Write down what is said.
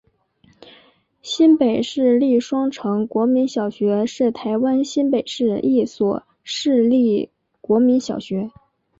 新北市立双城国民小学是台湾新北市一所市立国民小学。